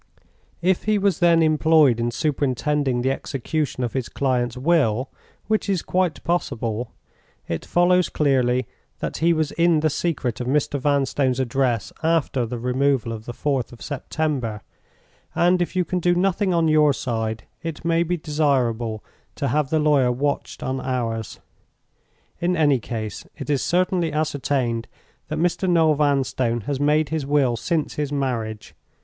If he was then employed in superintending the execution of his client's will—which is quite possible—it follows clearly that he was in the secret of Mr. Vanstone's address after the removal of the 4th of September; and if you can do nothing on your side, it may be desirable to have the lawyer watched on ours. In any case, it is certainly ascertained that Mr. Noel Vanstone has made his will since his marriage.